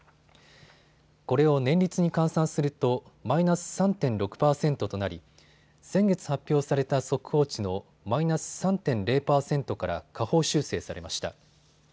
これを年率に換算するとマイナス３．６％となり、先月発表された速報値のマイナス３．０％から下方修正されました。